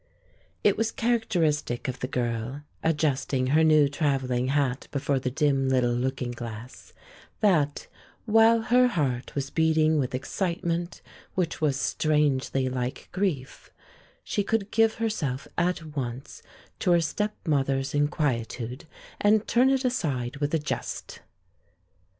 It was characteristic of the girl adjusting her new travelling hat before the dim little looking glass that, while her heart was beating with excitement which was strangely like grief, she could give herself at once to her stepmother's inquietude and turn it aside with a jest.